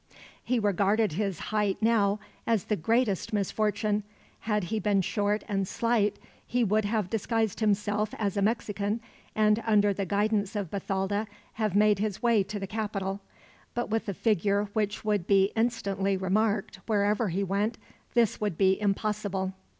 He regarded his height, now, as the greatest misfortune. Had he been short and slight, he would have disguised himself as a Mexican, and under the guidance of Bathalda, have made his way to the capital; but with a figure which would be instantly remarked, wherever he went, this would be impossible.